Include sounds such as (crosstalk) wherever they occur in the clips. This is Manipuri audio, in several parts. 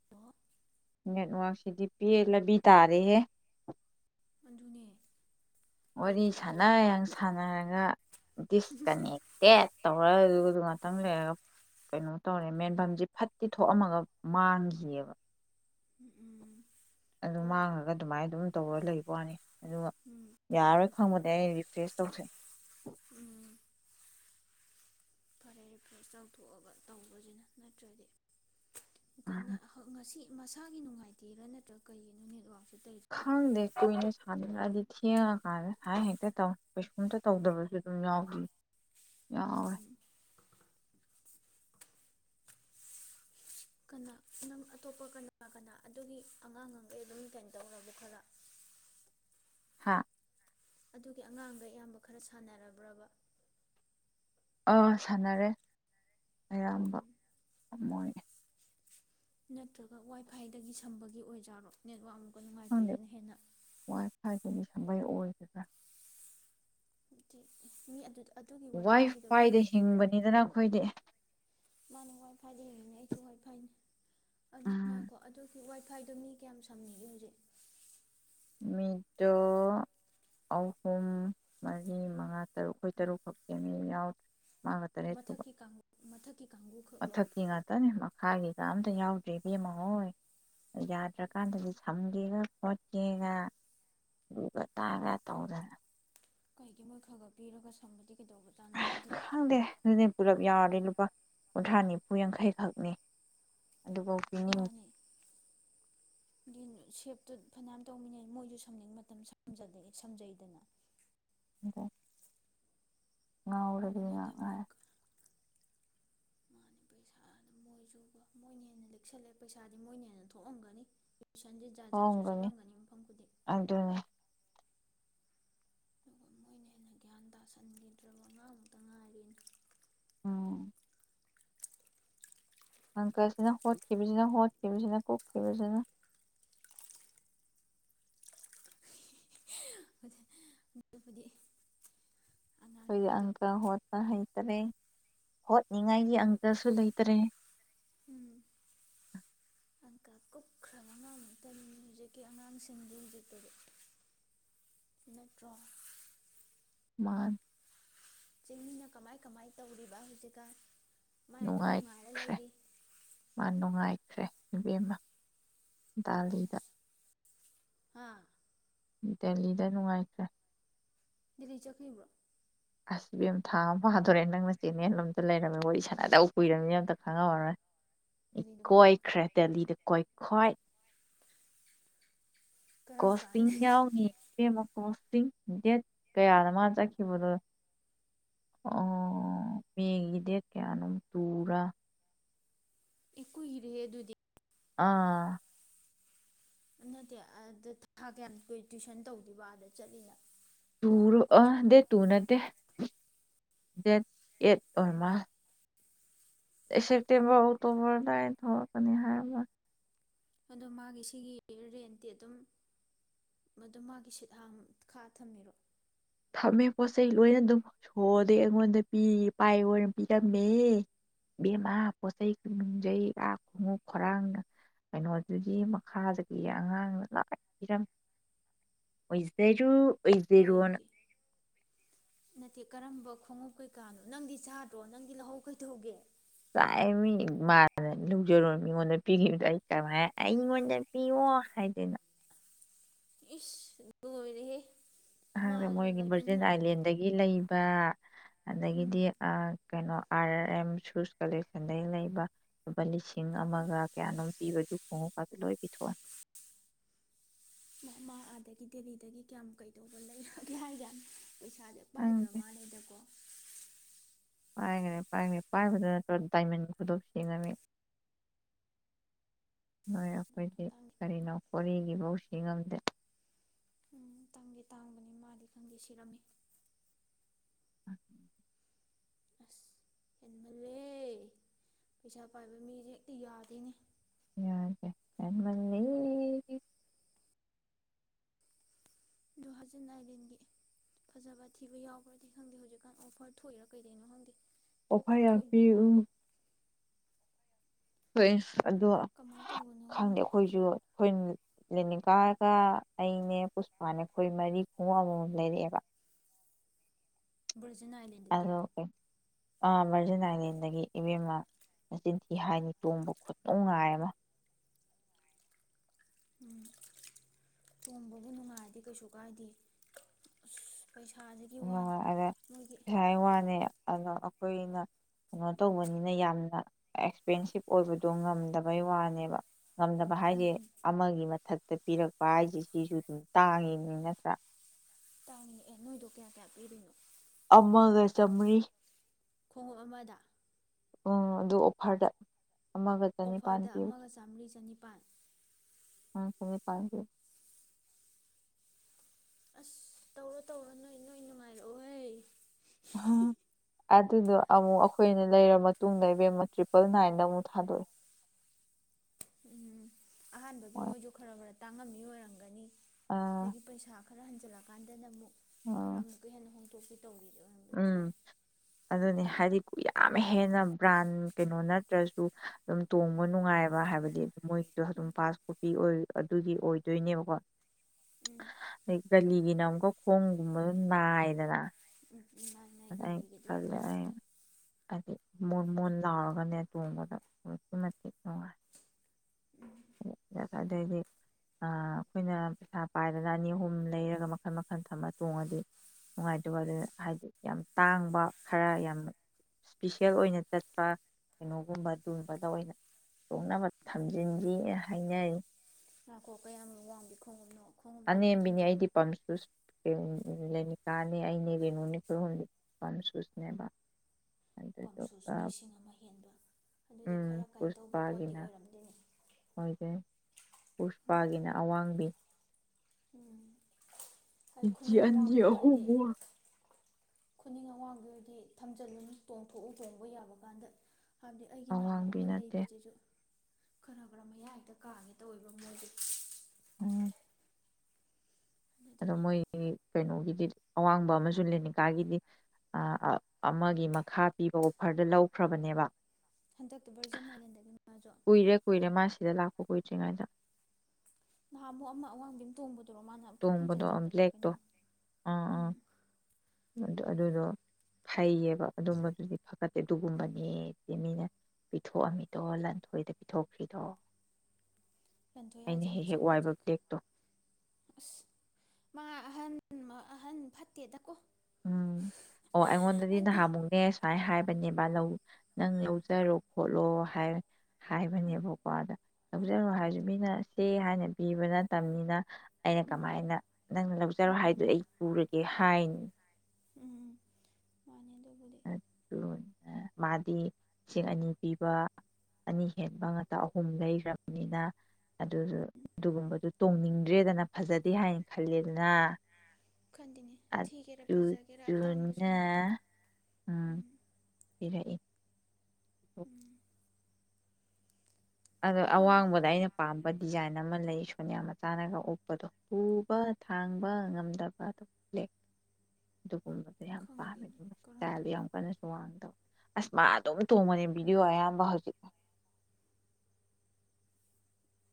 (unintelligible) ꯅꯦꯠꯋꯔꯛꯁꯤꯗꯤ ꯄꯦ ꯂꯝꯕꯤ ꯇꯥꯔꯦꯍꯦ ꯃꯗꯨꯅꯦ ꯋꯥꯔꯤ ꯁꯥꯟꯅ ꯌꯥꯡ ꯁꯥꯟꯅꯔꯒ ꯗꯤꯁꯀꯅꯦꯛ ꯑꯦ ꯇꯧꯔ ꯑꯗꯨꯗꯨ ꯉꯥꯛꯇꯪ ꯂꯩꯔꯒ ꯀꯩꯅꯣ ꯇꯧꯔꯦ ꯃꯦꯟꯐꯝꯁꯦ ꯐꯠꯇꯤ ꯊꯣꯛꯑꯝꯃꯒ ꯃꯥꯡꯈꯤꯑꯕ ꯎꯝ ꯎꯝ ꯑꯗꯨ ꯄꯨꯔꯥ ꯃꯥꯡꯉꯒ ꯑꯗꯨꯃꯥꯏꯅ ꯑꯗꯨꯝ ꯇꯧꯔ ꯂꯩꯕ ꯋꯥꯅꯤ ꯑꯗꯨꯒ ꯎꯝ ꯌꯥꯔꯣꯏ ꯈꯪꯕꯅꯦ ꯑꯩ ꯔꯤꯐ꯭ꯔꯦꯁ ꯇꯧꯖꯩ ꯎꯝ ꯐꯔꯦ ꯔꯤꯐꯔ ꯆꯥꯎꯊꯣꯛꯑꯒ ꯇꯧꯕꯁꯤꯅ ꯅꯠꯇ꯭ꯔꯗꯤ ꯉꯁꯤ ꯃꯁꯥꯒꯤ ꯅꯨꯡꯉꯥꯏꯇꯦꯔꯥ ꯅꯠꯇ꯭ꯔꯒ ꯀꯩꯒꯤꯅꯣ ꯅꯦꯠꯋꯥꯛꯁ ꯇꯧꯔꯤ ꯈꯪꯗꯦꯨ ꯏ ꯁꯗꯤ ꯊꯤ ꯀꯥ ꯊꯦ ꯄꯩ ꯇꯧꯗꯕꯁꯨ ꯑꯗꯨꯝ ꯌꯥꯎꯈꯤ ꯎꯝ ꯌꯥꯎꯋꯦ ꯎꯝ ꯀꯅꯥ ꯅꯪ ꯑꯇꯣꯞꯄ ꯀꯅꯥ ꯀꯅꯥ ꯑꯗꯨꯒꯤ ꯑꯉꯥꯡꯈꯩ ꯑꯗꯨꯝ ꯀꯩꯅꯣ ꯇꯧꯔꯕ ꯈꯔ ꯍꯥꯥ ꯑꯗꯨꯒꯤ ꯑꯉꯥꯡꯗ ꯑꯌꯥꯝꯕ ꯈꯔ ꯁꯥꯟꯅꯔꯕ꯭ꯔꯕ ꯑꯥ ꯁꯥꯟꯅꯔꯦ ꯑꯌꯥꯝꯕ ꯎꯝ ꯌꯥꯝꯃꯣꯏꯑꯦ ꯅꯠꯇ꯭ꯔꯒ ꯋꯥꯏ ꯐꯥꯏꯗꯒꯤ ꯁꯝꯕꯒꯤ ꯑꯣꯏꯖꯥꯔꯣ ꯅꯦꯠꯋꯥꯛ ꯑꯃꯨꯛꯀ ꯈꯪꯗꯦ ꯅꯨꯡꯉꯥꯏꯇ꯭ꯔꯤꯁꯤꯅ ꯍꯦꯟꯅ ꯋꯥꯏ ꯐꯥꯏꯗꯨꯗꯤ ꯁꯃꯩ ꯑꯣꯏꯒꯗ꯭ꯔꯥ ꯃꯤ ꯑꯗꯨꯗ ꯋꯥꯏ ꯐꯥꯏꯗ ꯍꯤꯡꯕꯅꯤꯗꯅ ꯑꯩꯈꯣꯏꯗꯤ ꯃꯥꯅꯦ ꯍꯏ ꯐ ꯌꯦꯡꯅꯦ ꯑꯩꯁꯨ ꯍꯏ ꯐꯩꯅꯦ ꯑꯗꯨ ꯎꯝ ꯉꯀꯣ ꯑꯗꯨ ꯋꯥꯏ ꯐꯥꯏꯗꯣ ꯃꯤ ꯀꯌꯥꯝ ꯁꯝꯃꯤꯒꯦ ꯍꯧꯖꯤꯛ ꯃꯤꯗꯣ ꯑꯍꯨꯝ ꯃꯔꯤ ꯃꯉꯥ ꯇꯔꯨꯛ ꯑꯩꯈꯣꯏ ꯇꯔꯨꯛ ꯐꯛꯛꯇꯅꯦ ꯌꯥꯎꯗ꯭ꯔꯦ ꯃꯥꯒ ꯇꯔꯦꯠ ꯁꯨꯕ ꯃꯊꯛꯀꯤ ꯀꯥꯡꯕꯨ ꯃꯊꯛꯀꯤ ꯀꯥꯡꯕꯨ ꯈꯛꯂꯣ ꯃꯊꯛꯀꯤ ꯉ ꯈꯛꯇꯅꯦ ꯃꯈꯥꯒꯤꯗ ꯑꯝꯇ ꯌꯥꯎꯗ꯭ꯔꯤ ꯕꯦꯝꯃ ꯍꯣꯏ ꯌꯥꯗ꯭ꯔꯀꯥꯟꯗꯗꯤ ꯁꯝꯒꯦꯒ ꯄꯣꯠ ꯆꯦꯒ ꯂꯨꯒ ꯇꯥꯒ ꯇꯧꯗꯅ ꯀꯩꯒꯤ ꯃꯣꯏ ꯈꯔ ꯈꯔ ꯄꯤꯔꯒ ꯁꯝꯕꯗꯤ ꯀꯩꯗꯧꯕꯅꯤ ꯈꯪꯗꯦ ꯑꯗꯨꯗꯤ ꯄꯨꯂꯞ ꯌꯥꯎꯔꯗꯤ ꯂꯨꯄꯥ ꯀꯨꯟꯊ꯭ꯔꯥ ꯅꯤꯐꯨ ꯌꯥꯡꯈꯩꯈꯛꯅꯤ ꯑꯗꯨꯕꯨ ꯃꯥꯅꯦ (inaudible) ꯁꯦꯞꯇꯨ ꯐꯅꯌꯥꯝ ꯇꯧꯃꯤꯅꯦ ꯃꯣꯏꯁꯨ ꯁꯝꯅꯤꯡꯕ ꯃꯇꯝ ꯁꯝꯖꯩꯗꯅ ꯎꯣ ꯉꯥꯛ ꯉꯥꯏꯔꯦ ꯑꯗꯨꯅꯗꯃꯛ ꯃꯥꯅꯦ ꯄꯩꯁꯥꯗ ꯃꯣꯏꯁꯨꯒ ꯃꯣꯏꯅ ꯍꯦꯟꯅ ꯂꯤꯛꯁꯜꯂꯦ ꯄꯩꯁꯥꯗꯤ ꯃꯣꯏꯅ ꯍꯦꯟꯅ ꯊꯣꯛꯑꯝꯒꯅꯤ ꯇꯏꯁꯟꯖꯤꯠ ꯖꯥ ꯖꯥꯁꯨ ꯆꯠꯂꯝꯒꯅꯤ ꯃꯐꯝ ꯈꯨꯗꯤꯡ ꯑꯗꯨ ꯑꯗꯨꯒ ꯃꯣꯏꯅ ꯍꯦꯟꯅ ꯒ꯭ꯌꯥꯟ ꯇꯥꯁꯟꯈꯤꯗ꯭ꯔꯕ ꯉꯉꯥꯡꯃꯨꯛꯇ ꯉꯥꯏꯔꯦꯅ ꯑ__ ꯑꯪꯀꯁꯤꯅ ꯍꯣꯠꯈꯤꯕꯁꯤꯅ ꯍꯣꯠꯈꯤꯕꯁꯤꯅ ꯀꯨꯞꯈꯤꯕꯁꯤꯅ꯫ ꯑꯍ (unintelligible) ꯗꯨꯕꯨꯗꯤ__ ꯈꯣꯏꯗꯤ ꯑꯪꯀ ꯍꯣꯠꯄ ꯍꯩꯇꯔꯦ ꯍꯣꯠꯅꯤꯉꯥꯏꯒꯤ ꯑꯪꯀꯁꯨ ꯂꯩꯇꯔꯦ꯫ ꯎꯝ__ (inaudible) ꯀ ꯀꯨꯞꯈ꯭ꯔꯕ ꯑꯉꯥꯡ ꯃꯇꯅꯤ ꯍꯧꯨꯖꯤꯛꯀꯤ ꯑꯉꯥꯡꯁꯤꯡꯗꯤ ꯍꯧꯖꯤꯛꯇꯗꯤ꯫ ꯅꯠꯇ꯭ꯔꯣ꯫ ꯃꯥꯟ__ ꯆꯤꯡꯃꯤꯅ ꯀꯃꯥꯏ ꯀꯃꯥꯏ ꯇꯧꯔꯤꯕ ꯍꯧꯖꯤꯛꯀꯥꯟ꯫ ꯃꯥꯏ ꯑꯗꯨꯝ ꯅꯨꯡꯉꯥꯏꯕ ꯅꯨꯡꯉꯥꯏꯔ ꯈ꯭ꯔꯦ꯫ ꯂꯩꯔꯤ ꯃꯥ ꯅꯨꯡꯉꯥꯏꯈ꯭ꯔꯦ ꯏꯕꯦꯝꯃ ꯗꯥꯂꯤꯗ꯫ ꯍꯥꯥ꯫ ꯗꯦꯜꯂꯤꯗ ꯅꯨꯡꯉꯥꯏꯈ꯭ꯔꯦ꯫ ꯗꯦꯜꯂꯤ ꯆꯠꯈ꯭ꯔꯤꯕ꯭ꯔꯣ꯫ ꯑꯁ ꯏꯕꯦꯝꯃ ꯊꯥ ꯑꯃ ꯐꯥꯗꯣꯔꯦ ꯅꯪꯅ ꯆꯦꯅꯦꯜ ꯑꯃꯗ ꯂꯩꯔꯝꯃꯤ ꯋꯥꯔꯤ ꯁꯥꯟꯅꯗꯕ ꯀꯨꯏꯔꯃꯤꯅ ꯑꯝꯇ ꯈꯉꯃꯔꯣꯏ꯫ ꯗꯦꯜꯂꯤꯗ ꯀꯩꯗꯧꯕ ꯏꯛꯀꯣꯏꯈ꯭ꯔꯦ ꯗꯦꯂꯤꯗ ꯀꯣꯏꯈꯣꯏ꯫ ꯀꯔꯝ ꯀꯣꯁꯇꯤꯡ ꯀꯥꯟꯗꯒꯤ ꯌꯥꯎꯅꯤ ꯏꯕꯦꯝꯃ ꯀꯣꯁꯆꯤꯡ ꯗꯦꯠ ꯀꯌꯥꯔ ꯃꯥ ꯆꯠꯈꯤꯕꯗꯣ꯫ ꯑꯣ ꯃꯦꯒꯤ ꯗꯦꯠ ꯀꯌꯥꯅꯣ ꯇꯨꯔꯥ꯫ ꯏꯍ ꯀꯨꯏꯔꯦꯍꯦ ꯑꯗꯨꯗꯤ꯫ ꯑꯥ__ ꯅꯠꯇꯦ ꯑꯗ ꯊꯥ ꯀꯌꯥꯝ ꯀꯨꯏ ꯇ꯭ꯋꯨꯨꯏꯁꯟ ꯇꯧꯗꯨꯏꯕ ꯑꯥꯗ ꯆꯠꯂꯤꯅ꯫ ꯇꯨꯔꯣ ꯑ ꯀꯣꯆꯤꯡꯗꯣ ꯗꯦ ꯇꯨ ꯅꯠꯇꯦ ꯗꯦꯠ ꯑꯦꯠ ꯑꯣꯏꯔꯃ__ ꯑꯩ ꯁꯦꯞꯇꯦꯝꯕꯔ ꯑꯣꯛꯇꯣꯕꯔ ꯗꯥꯏ ꯊꯣꯔꯛꯀꯅꯤ ꯍꯥꯏꯔꯒ꯫ ꯑꯗꯣ ꯃꯥꯒꯤ ꯁꯤꯒꯤ ꯔꯦꯟꯇꯤ ꯑꯗꯨꯝ__ ꯃꯗꯨ ꯃꯥꯒꯤ ꯁꯤꯠꯍꯥꯡ ꯈꯥ ꯊꯝꯃꯤꯔꯣ꯫ ꯊꯝꯃꯦ ꯄꯣꯠ ꯆꯩꯩ ꯂꯣꯏꯅ ꯗꯨꯝ ꯁꯣꯗꯤꯩ ꯑꯩꯉꯣꯟꯗ ꯄꯤ ꯄꯥꯏ ꯑꯣꯏꯅ ꯄꯤꯔꯝꯃꯦ꯫ ꯕꯦꯝꯃ ꯄꯣꯠꯆꯩ ꯅꯨꯡꯖꯩ ꯑꯥ ꯈꯣꯡꯎꯞ ꯈꯔꯥꯡꯅ__ ꯀꯩꯅꯣꯗꯨꯗꯤ ꯃꯈꯥꯗꯗꯒꯤ ꯑꯉꯥꯡꯅ ꯂꯥꯏ ꯄꯤꯔꯝ__ ꯑꯣꯏꯖꯔꯨ꯫ ꯑꯣꯏꯖꯔꯣꯅ ꯀꯩꯒꯤ꯫ ꯅꯠꯇꯦ ꯀꯔꯝꯕ ꯈꯣꯡꯎꯞ ꯀꯩꯀꯥꯅꯣ ꯅꯪꯗꯤ ꯆꯥꯗ꯭ꯔꯣ ꯅꯪꯗꯤ ꯂꯧꯍꯧ ꯀꯩꯗꯧꯒꯦ꯫ ꯆꯥꯏ ꯃꯤ ꯃꯥꯅ ꯂꯧꯖꯔꯣꯅ ꯃꯤꯉꯣꯟꯗ ꯄꯤꯒꯤꯕꯗꯣ ꯑꯩ ꯀꯃꯥꯏ ꯑꯩꯉꯣꯟꯗ__ ꯄꯤꯌꯣ ꯍꯥꯏꯗꯅ__ ꯏꯁ ꯂꯣꯏꯔꯦ ꯍꯦ ꯃꯥꯖꯨ ꯂꯩꯃꯤꯟꯅ__ ꯑꯗꯒꯤ ꯂꯩꯕ ꯎꯝ ꯑꯗꯒꯤꯗꯤ ꯑꯥ ꯀꯩꯅꯣ ꯑꯥꯔꯔ ꯑꯦꯝ ꯁꯨꯁ ꯀꯂꯦꯛꯁꯟꯗꯗꯒꯤ ꯂꯩꯕ ꯂꯨꯄꯥ ꯂꯤꯁꯤꯡ ꯑꯃꯒ ꯀꯌꯥꯅꯣꯝ ꯄꯤꯕꯗꯨ ꯈꯣꯡꯎꯞꯀꯗꯨ ꯂꯣꯏ ꯄꯤꯊꯣꯛꯑꯅꯤ ꯃ ꯃꯥ ꯑꯗꯒꯤ ꯗꯦꯜꯂꯤꯗꯒꯤ ꯀꯌꯥꯝ ꯀꯩꯗꯧꯕ ꯂꯩꯔꯒꯦ ꯍꯥꯏꯖꯥꯠꯅꯤ ꯄꯩꯁꯥꯗꯤ ꯄꯥꯏꯒ꯭ꯔ ꯈꯪꯗꯦ ꯃꯥꯅꯦꯗꯀꯣ ꯄꯥꯏꯒ꯭ꯔꯦ ꯄꯥꯏꯒ꯭ꯔꯦ ꯄꯥꯏꯕꯗꯨ ꯅꯠꯇ꯭ꯔ ꯗꯥꯏꯃꯟ ꯈꯨꯗꯣꯞ ꯁꯤꯅꯃꯤ ꯍꯣꯏꯔꯦ ꯑꯩꯈꯣꯏꯗꯤ ꯇꯥꯡ ꯀꯩꯅꯣ ꯀꯣꯔꯤꯒꯤꯐꯧ ꯁꯤ ꯉꯝꯗꯦ ꯎꯝ ꯇꯥꯡꯗꯤ ꯇꯥꯡꯕꯅꯤ ꯃꯥꯗꯤ ꯈꯪꯗꯦ ꯁꯤꯔꯝꯃꯤ ꯑꯁ ꯍꯦꯟꯃꯜꯂꯦ ꯄꯩꯁꯥ ꯄꯥꯏꯕ ꯃꯤꯖꯦ ꯍꯦꯛꯇ ꯌꯥꯗꯦꯅꯦ (unintelligible) ꯑꯦꯃꯜꯂꯤ ꯗꯨꯍꯥꯖꯟ ꯅꯥꯔꯦꯟꯒꯤ ꯐꯖꯕ ꯊꯤꯕ ꯌꯥꯎꯕ꯭ꯔꯗꯤ ꯈꯪꯗꯦ ꯍꯧꯖꯤꯛꯀꯥꯟ ꯑꯣꯐꯔ ꯊꯣꯛꯏꯔꯥ ꯀꯩꯗꯅꯣ ꯈꯪꯗꯦ ꯊꯣꯛꯇꯤ ꯑꯣꯐꯔ ꯌꯥꯝ ꯄꯤ ꯊꯣꯛꯏꯕ ꯎꯝ ꯃꯥꯜꯂꯦ ꯑꯗꯣ ꯀꯃꯥꯏꯅ ꯇꯧꯕꯅꯣ ꯈꯪꯗꯦ ꯑꯩꯈꯣꯏꯁꯨ ꯑꯩꯈꯣꯏ ꯂꯦꯅꯤꯡꯀꯥꯔꯒ ꯑꯩꯅꯦ ꯄꯨꯁꯄꯥꯅꯦ ꯑꯩꯈꯣꯏ ꯃꯔꯤ ꯈꯣꯡꯎꯞ ꯑꯃꯃꯝ ꯂꯩꯔꯛꯑꯦꯕ ꯕꯖꯅ ꯑ ꯑꯗ ꯑꯣꯀꯦ ꯃꯥꯔꯖꯦꯟ ꯑꯥꯏꯂꯦꯟꯗꯒꯤ ꯏꯕꯦꯝꯃ ꯃꯆꯤꯟꯊꯤ ꯍꯥꯏꯅꯤ ꯇꯣꯡꯕ ꯈꯣꯇꯣꯡ ꯉꯥꯏ ꯑꯃ ꯎꯝ ꯇꯣꯝꯕꯕꯨ ꯅꯨꯡꯉꯥꯏꯔꯗꯤ ꯀꯩꯁꯨ ꯀꯥꯏꯗꯦ ꯑꯁ ꯄꯩꯁꯥꯗꯒꯤ ꯋꯥꯅꯤ ꯃꯣꯏꯒꯤ ꯇꯥꯏ ꯋꯥꯅꯦ ꯑꯗꯣ ꯑꯩꯈꯣꯏꯅ ꯀꯩꯅꯣ ꯇꯧꯕꯅꯤꯅ ꯌꯥꯝꯅ ꯑꯦꯛꯁꯄꯦꯟꯁꯤꯞ ꯑꯣꯏꯕꯗꯣ ꯉꯝꯗꯕꯩ ꯋꯥꯅꯦꯕ ꯉꯝꯅꯕ ꯎꯝ ꯍꯥꯏꯁꯦ ꯎꯝ ꯑꯃꯒꯤ ꯃꯊꯛꯇ ꯄꯤꯔꯛꯄ ꯍꯥꯏꯁꯦ ꯁꯤꯁꯨ ꯑꯗꯨꯝ ꯇꯥꯡꯉꯤꯅꯤ ꯅꯠꯇ꯭ꯔꯥ ꯇꯥꯏ ꯑꯦꯣ ꯑꯣꯏꯗꯣ ꯀꯌꯥ ꯀꯌꯥ ꯄꯤꯗꯣꯏꯅꯣ ꯑꯃꯒ ꯆꯥꯝꯔꯤ ꯈꯣꯡꯎꯞ ꯑꯃꯗ ꯎ ꯑꯗꯨ ꯑꯣꯐꯔꯗ ꯑꯃꯒ ꯆꯅꯤꯄꯥꯜ ꯑꯣꯐꯔꯗ ꯄꯤꯌꯦ ꯑꯃꯒ ꯆꯥꯝꯃꯔꯤ ꯆꯅꯤꯄꯥꯟ ꯎꯝ ꯆ ꯄꯥꯏꯒꯦ ꯑꯁ ꯇꯧꯔꯣ ꯇꯧꯔꯣ ꯅꯣꯏ ꯅꯣꯏ ꯅꯨꯡꯉꯥꯏꯔꯛꯑꯣꯍꯣꯏ ꯍꯥ ꯑꯗꯨꯗꯣ ꯑꯃꯨꯛ ꯑꯩꯈꯣꯏꯅ ꯂꯩꯔꯕ ꯃꯇꯨꯡꯗ ꯏꯕꯦꯝꯃ ꯇ꯭ꯔꯤꯄꯜ ꯅꯥꯏꯟꯗ ꯑꯃꯨꯛ ꯊꯥꯗꯣꯛꯏꯦ ꯎꯝ ꯑꯍꯥꯟꯕꯒꯤ ꯃꯣꯏ ꯃꯣꯏꯁꯨ ꯈꯔ ꯈꯔ ꯇꯥꯡꯉꯝꯃꯤ ꯑꯣꯏꯔꯝꯒꯅꯤ ꯑꯥ ꯑꯗꯒꯤ ꯄꯩꯁꯥ ꯈꯔ ꯍꯟꯖꯤꯜꯂꯛꯀꯥꯟꯗꯅ ꯑꯃꯨꯛ ꯈꯔ ꯑꯥ ꯑꯃꯨꯛꯀ ꯍꯦꯟꯅ ꯍꯣꯡꯗꯣꯛꯄꯤ ꯇꯧꯔꯤꯗ ꯎꯝ ꯑꯗꯨꯅꯤ ꯍꯥꯏꯗꯤ ꯌꯥꯝ ꯍꯦꯟꯅ ꯕ꯭ꯔꯥꯟ ꯀꯩꯅꯣ ꯅꯠꯇ꯭ꯔꯁꯨ ꯑꯗꯨꯝ ꯇꯣꯡꯕ ꯅꯨꯡꯉꯥꯏꯕ ꯍꯥꯏꯕꯗꯤ ꯃꯣꯏꯒꯤꯗꯣ ꯑꯗꯨꯝ ꯎꯝ ꯄꯥꯁ ꯀꯣꯄꯤ ꯑꯗꯨꯒꯤ ꯑꯣꯏꯗꯣꯏꯅꯦꯕꯀꯣ ꯎꯝ ꯑꯗꯩ ꯗꯂꯤꯒꯤꯅ ꯑꯃꯨꯛꯀ ꯈꯣꯡꯒꯨꯝꯕ ꯅꯥꯏꯗꯅ ꯎ ꯅ ꯅ ꯑꯗ ꯑꯩ ꯔꯃꯤ ꯀꯗꯤ ꯈꯜꯂꯦ ꯐꯔꯛ ꯑꯩ ꯍꯥꯏꯗꯤ ꯃꯣꯟ ꯃꯣꯟ ꯂꯥꯎꯔꯒꯅꯦ ꯇꯣꯡꯕꯗ ꯑꯗꯨꯛꯀꯤ ꯃꯇꯤꯛ ꯅꯨꯡꯉꯥꯏ ꯎ ꯑꯗꯩꯗꯤ ꯑꯩꯈꯣꯏꯅ ꯄꯩꯁꯥ ꯄꯥꯏꯗꯅ ꯑꯅꯤ ꯑꯍꯨꯝ ꯂꯩꯔꯒ ꯃꯈꯟ ꯃꯈꯜ ꯊꯝꯃ ꯇꯣꯡꯉꯗꯤ ꯅꯨꯡꯉꯥꯏꯇꯕ ꯑꯗꯨꯅ ꯍꯥꯏꯗꯤ ꯌꯥꯝ ꯇꯥꯡꯕ ꯈꯔ ꯌꯥꯝ ꯏꯁꯄꯤꯁꯦꯜ ꯑꯣꯏꯅ ꯆꯠꯄ꯭ꯔ ꯀꯩꯅꯣꯒꯨꯝꯕ ꯑꯗꯨꯒꯨꯝꯕꯗ ꯑꯣꯏꯅ ꯁꯣꯡꯅꯕꯅꯕ ꯊꯝꯖꯤꯟꯁꯤ ꯍꯥꯏꯅꯩ ꯉꯥꯛꯈꯣꯡ ꯀꯌꯥꯃ ꯋꯥꯡꯒꯦ ꯈꯣꯡꯎꯝꯅꯣ ꯑꯅꯦꯝꯕꯤꯅꯤ ꯑꯩꯗꯤ ꯄꯥꯝꯁꯨꯁ ꯂꯅꯤꯀꯥꯅꯦ ꯑꯩꯅꯦ ꯔꯦꯅꯨꯅꯦ ꯈꯨꯔ ꯍꯨꯝ ꯁꯨꯁꯅꯦꯕ ꯄꯝꯁꯨ ꯑꯗꯨꯗꯨꯒ ꯂꯤꯁꯤꯡ ꯑꯃ ꯍꯦꯟꯕ ꯑꯗꯨꯗꯤ ꯈꯔ ꯀꯥꯏꯅ ꯇꯧꯕ ꯄꯣꯠꯇꯤ ꯑꯣꯏꯔꯝꯗꯣꯏꯅꯦ ꯍꯣꯏꯗꯤ ꯄꯨꯁꯄꯥꯒꯤꯅ ꯑꯋꯥꯡꯕꯤ ꯎꯝ ꯍꯣꯏ ꯏꯟꯆꯤ ꯈꯨꯅꯤꯡ ꯑꯅꯤ ꯑꯋꯥꯡꯕꯤ ꯑꯣꯏꯗꯦ ꯑꯍꯨꯝꯃꯨꯛ ꯈꯨꯅꯤꯡ ꯑꯋꯥꯡꯗꯨꯗꯤ ꯊꯝꯖꯤꯜꯂꯨ ꯆꯣꯡꯊꯣꯛꯎ ꯆꯣꯡꯕ ꯌꯥꯕ ꯀꯥꯟꯗ ꯍꯥꯏꯕꯗꯤ ꯑꯩꯒꯤ ꯅꯍꯥꯃꯨꯛ ꯑꯋꯥꯡꯕꯤ ꯑꯃ ꯅꯠꯇꯦ ꯂꯩꯕꯁꯤꯁꯨ ꯈꯔ ꯈꯔ ꯃꯌꯥ ꯍꯦꯛꯇ ꯀꯥꯉꯦ ꯇꯧꯕ꯭ꯔꯣ ꯃꯣꯏꯁ ꯎꯝ ꯑꯗꯣ ꯑꯗꯨꯗꯨꯅ ꯃꯣꯏ ꯀꯩꯅꯣꯒꯤꯗꯤ ꯑꯋꯥꯡꯕ ꯑꯃꯁꯨ ꯂꯦꯅꯤꯀꯥꯒꯤꯗꯤ ꯑꯃꯒꯤ ꯃꯈꯥ ꯄꯤꯕ ꯑꯣꯐꯔꯗ ꯂꯧꯈ꯭ꯔꯕꯅꯦꯕ ꯍꯟꯗꯛꯇ ꯚꯔꯖꯟ ꯑꯥꯏꯂꯦꯟꯗꯒꯤ ꯃꯥꯁꯨꯣ ꯀꯨꯏꯔꯦ ꯀꯨꯏꯔꯦ ꯃꯥ ꯁꯤꯗ ꯂꯥꯛꯄ ꯀꯨꯏꯗ꯭ꯔꯤꯉꯩꯗ ꯅꯍꯥꯃꯨꯛ ꯑꯃ ꯑꯋꯥꯡꯕ ꯑꯃ ꯇꯣꯡꯕꯗꯨꯔꯣ ꯃꯥꯅ ꯑꯩꯈꯣꯏ ꯇꯣꯡꯕꯗꯣ ꯐꯪꯁꯟ ꯆꯠꯄꯗꯔ ꯕ꯭ꯂꯦꯛꯇꯣ ꯀꯩꯅꯣꯝꯃ ꯎꯝ ꯑꯗꯨ ꯑꯗꯨꯗꯣ ꯐꯩꯌꯦꯕ ꯑꯗꯨꯝꯕꯗꯨꯗꯤ ꯐꯒꯠꯇꯦ ꯑꯗꯨꯒꯨꯝꯕꯅꯦꯇꯦ ꯃꯤꯅ ꯄꯤꯊꯣꯛꯑꯝꯃꯤꯗꯣ ꯂꯟꯊꯣꯏꯗ ꯄꯤꯊꯣꯛꯈ꯭ꯔꯤꯗꯣ ꯀꯟꯗꯣꯏ ꯑꯩꯅ ꯌꯥꯁꯦ ꯍꯦꯛ ꯍꯦꯛ ꯃꯁꯛ ꯋꯥꯏꯕ ꯐꯖꯩ ꯕ꯭ꯂꯦꯛꯇꯣ ꯑꯁ ꯃꯥ ꯑꯍꯟ ꯑꯍꯟ ꯐꯠꯇꯦꯗ ꯀꯣ ꯎꯝ ꯑꯣ ꯑꯩꯉꯣꯟꯗꯗꯤ ꯅꯍꯥꯃꯨꯛꯅꯦ ꯁꯨꯃꯥꯏꯅ ꯍꯥꯏꯕꯅꯦꯕ ꯅꯪ ꯂꯧꯖꯔꯣ ꯈꯣꯠꯂꯣ ꯍꯥꯏ ꯎꯝ ꯍꯥꯏꯕꯅꯦꯕꯀꯣ ꯑꯗ ꯂꯧꯖꯅꯨ ꯍꯥꯏꯔꯁꯨ ꯃꯤꯅ ꯁꯦ ꯍꯥꯏꯅ ꯄꯤꯕ ꯅꯠꯇꯕꯅꯤꯅ ꯑꯩꯅ ꯎꯝ ꯀꯃꯥꯏꯅ ꯅꯪ ꯂꯧꯖꯔꯣ ꯍꯥꯏꯗꯨꯣ ꯑꯩ ꯄꯨꯔꯒꯦ ꯍꯥꯏꯅꯤ ꯎꯝ ꯃꯥꯅꯤ ꯑꯗꯨꯕꯨꯗꯤ ꯃꯥꯗꯤ ꯏꯁꯤꯡ ꯑꯅꯤ ꯄꯤꯕ ꯑꯅꯤ ꯍꯦꯟꯕ ꯉꯥꯛꯇ ꯑꯍꯨꯝ ꯂꯩꯈ꯭ꯔꯕꯅꯤꯅ ꯑꯗꯨꯗꯨ ꯑꯗꯨꯒꯨꯝꯕꯗꯨ ꯇꯣꯡꯅꯤꯡꯗ꯭ꯔꯦꯗꯅ ꯐꯖꯗꯦ ꯍꯥꯏꯅ ꯈꯜꯂꯦꯗꯅ ꯈꯟꯗꯤꯅꯦ ꯊꯤꯒꯦꯔꯥ ꯐꯖꯒꯦꯔꯥ ꯑꯗꯨꯗꯨꯅ ꯑꯇꯥꯡꯕꯁꯤꯅ ꯍ‌ꯦꯛꯇ ꯎꯝ ꯄꯤꯔꯛꯏ ꯎꯝ ꯑꯗꯣ ꯍꯥ ꯑꯋꯥꯡꯕꯗ ꯑꯩꯅ ꯄꯥꯝꯕ ꯗꯤꯖꯥꯏꯟ ꯑꯃ ꯂꯩ ꯁꯣꯅꯤꯌꯥ ꯃꯆꯥꯅꯒ ꯑꯣꯞꯄꯗꯣ ꯄꯨꯕ ꯊꯥꯡꯕ ꯉꯝꯗꯕ ꯑ ꯑꯗꯨꯒꯨꯝꯕꯗꯣ ꯌꯥꯝ ꯄꯥꯝꯃꯦ ꯈꯪꯗꯦꯅꯦ ꯑꯗꯨꯒꯥꯏꯗ ꯀꯔꯝꯕꯅꯣ ꯌꯥꯝ ꯀꯟꯅꯁꯨ ꯋꯥꯡꯗꯕ ꯑꯁꯃ ꯑꯗꯨꯝ ꯇꯣꯡꯉꯅꯤ ꯚꯤꯗꯤꯑꯣ ꯑꯌꯥꯝꯕ ꯍꯧꯖꯤꯛ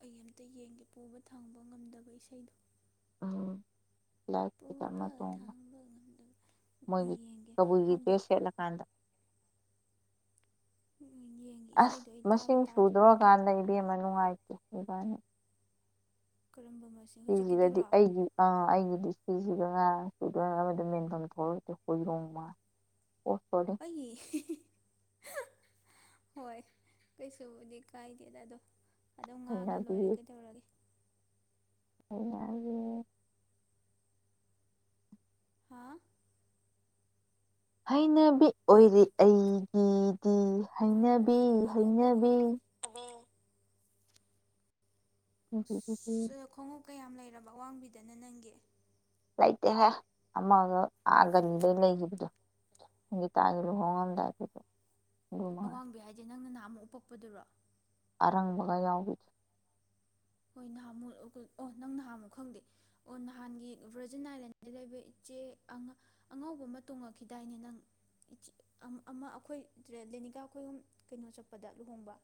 ꯑꯩ ꯑꯃꯝꯇ ꯌꯦꯡꯒꯦ ꯄꯨꯕ ꯊꯥꯡꯕ ꯉꯝꯗꯕ ꯏꯁꯩꯗꯣ ꯑ ꯂꯥꯏꯛꯁꯤ ꯇꯞꯅ ꯄꯨꯕ ꯇꯣꯡꯕ ꯊꯥꯡꯕ ꯉꯝꯗꯕ ꯃꯣꯏꯒꯤ ꯌꯦꯡꯒꯦ ꯀꯕꯨꯏꯒꯤ ꯗ꯭ꯔꯦꯁ ꯍꯥꯏꯕꯗꯤ ꯁꯦꯠꯂꯀꯥꯟꯗ ꯌꯦꯡꯒꯦ ꯑꯁ ꯏꯁꯩꯗꯣ ꯑꯩ ꯇꯥꯕ꯭ꯔꯥ ꯃꯁꯤꯡ ꯇꯥꯗ꯭ꯔꯤꯕ ꯈꯪꯗꯦ ꯁꯨꯗꯣꯔꯀꯥꯟꯗ ꯏꯕꯦꯝꯅ ꯅꯨꯡꯉꯥꯏꯇꯦ ꯕꯕꯥꯅ ꯀꯔꯝꯕ ꯑꯁꯤ ꯁꯤꯁꯤꯒꯗꯤ ꯑꯩꯒꯤ ꯑ ꯑꯩꯒꯤꯗꯤ ꯁꯤꯁꯤꯒ ꯉꯥ ꯁꯗꯣꯏꯅꯕꯗ ꯃꯦꯟꯐꯝ ꯊꯣꯛꯔꯛꯇꯦ ꯍꯣꯏꯔꯣꯡ ꯃꯥ ꯑꯣꯐꯗꫭ (inaudible) ꯍꯣꯏ ꯀꯩꯁꯨꯕꯨꯗꯤ ꯀꯥꯏꯗꯦ ꯑꯗꯣ ꯑꯗꯨꯝ ꯉꯥꯡꯉ ꯍꯩꯅꯕꯤ ꯂꯣꯏꯔꯦ ꯀꯩꯗꯧꯔꯒꯦ ꯀꯩꯍꯥꯏꯒ‌‌ꯦ ꯍꯥꯥ ꯍꯩꯅꯕꯤ ꯎꯏ ꯑꯣꯏꯔꯤ ꯑꯩꯒꯤꯗꯤ ꯍꯩꯅꯕꯤ ꯍꯩꯅꯕꯤ ꯕꯤ ꯑꯁ ꯈꯣꯡꯎꯞ ꯀꯌꯥꯝ ꯂꯩꯔꯕ ꯑꯋꯥꯡꯕꯤꯗꯅ ꯅꯪꯒꯤ ꯂꯩꯇꯦꯍ ꯑꯃꯒ ꯑꯥꯒꯅꯤꯗ ꯂꯩꯈꯤꯕꯗꯣ ꯒꯤ ꯇꯥꯡꯒꯤ ꯂꫭꯍꯣꯡꯉꯝꯗꯥꯏꯗ ꯑꯋꯥꯡꯕꯤ ꯍꯥꯏꯖꯦ ꯅꯪꯅ ꯅꯍꯥꯟꯃꯨꯛ ꯎꯄꯛꯄꯗꯨꯔꯣ ꯑꯔꯪꯕꯒ ꯌꯥꯎꯕꯤ ꯍꯣꯏ ꯅꯍꯥꯟꯃꯨꯛ ꯑꯣꯀꯣꯠ ꯑꯣ ꯅꯪ ꯅꯍꯥꯃꯨꯛ ꯈꯪꯗꯦ ꯑꯣ ꯅꯍꯥꯟꯒꯤ ꯕ꯭ꯔꯖꯤꯟ ꯑꯥꯏꯂꯦꯟꯗꯩ ꯂꯩꯕ ꯏꯆꯦ ꯑꯉꯥꯡ ꯑꯉꯧꯕ ꯑꯃ ꯇꯣꯡꯉꯛꯈꯤꯗꯥꯏꯅꯦ ꯅꯪ ꯏꯆꯦ ꯑꯝ ꯑꯃ ꯑꯩꯈꯣꯏ ꯗ꯭ꯔꯦ ꯂꯦꯅꯤꯀꯥ ꯑꯈꯣꯏ ꯑꯍꯨꯝ ꯀꯩꯅꯣ ꯆꯠꯄꯗ ꯂꯨꯍꯣꯡꯕ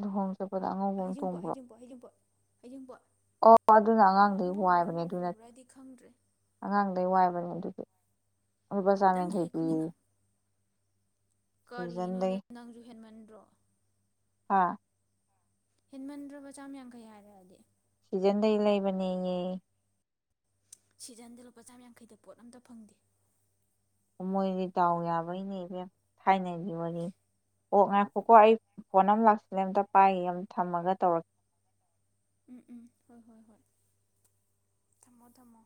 ꯂꯨꯍꫭꯡ ꯆꯠꯄꯗ ꯑꯉꯧ ꯍꯩꯖꯤꯡꯄꯣꯠ ꯍꯩꯖꯤꯡꯄꯣꯠ ꯍꯩꯖꯤꯡꯄꯣꯠ ꯍꯩꯖꯤꯡꯄꯣꯠ ꯑꯣ ꯑꯗꯨꯅ ꯑꯉꯥꯡꯗꯩ ꯑꯉꯧꯕ꯭ꯔꯥ ꯋꯥꯏꯕꯅꯦ ꯑꯗꯨ ꯅꯠ ꯉꯧꯗꯕ꯭ꯔꯥꯗꯤ ꯈꯪꯗ꯭ꯔꯦ ꯑꯉꯥꯡꯗꯩ ꯋꯥꯏꯕꯅꯦ ꯑꯗꯨꯗꯤ ꯂꯨꯄꯥ ꯅꯪꯒꯤ ꯆꯥꯝꯌꯥꯡꯈꯩ ꯑꯩ ꯄꯤꯑꯌꯦ ꯈꯨꯅꯤꯡꯉꯛ ꯀꯔꯤꯅꯣꯗ ꯁꯤꯖꯟꯗꯩ ꯅꯪꯖꯨ ꯍꯦꯟꯃꯟꯗ꯭ꯔꯣ ꯍꯥ ꯍꯦꯟꯃꯟꯗ꯭ꯔꯕ ꯆꯥꯝ ꯌꯥꯡꯈꯩ ꯍꯥꯏꯔꯛꯑꯗꯤ ꯁꯤꯖꯟꯗꯩ ꯂꯩꯕꯅꯦꯌꯦ ꯁꯤꯖꯟꯗ ꯂꯨꯄꯥ ꯆꯥꯝꯌꯥꯡꯈꯩꯗ ꯄꯣꯠ ꯑꯝꯇ ꯐꯪꯗꯦ ꯃꯣꯏꯗꯤ ꯗꯥꯥꯎ ꯌꯥꯕꯩꯅꯦ ꯏꯕꯦꯝ ꯊꯥꯏꯅꯒꯤ ꯋꯥꯔꯤ ꯑꯣ ꯉꯥꯏꯈꯣꯀꯣ ꯑꯩ ꯐꯣꯟ ꯑꯃ ꯂꯥꯛꯁꯤꯜꯂꯦ ꯑꯝꯇ ꯄꯥꯏꯒꯤꯒꯦ ꯑꯃꯨꯛ ꯊꯝꯃꯒ ꯇꯧꯔꯛ ꯎꯝ ꯎꯝ ꯍꯣꯏ ꯍꯣꯏ ꯍꯣꯏ ꯊꯝꯃꯣ ꯊꯝꯃꯣ